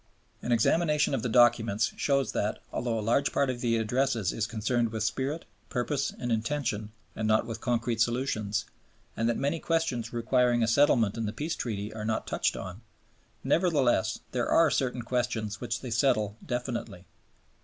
An examination of the documents shows that, although a large part of the Addresses is concerned with spirit, purpose, and intention, and not with concrete solutions, and that many questions requiring a settlement in the Peace Treaty are not touched on, nevertheless, there are certain questions which they settle definitely.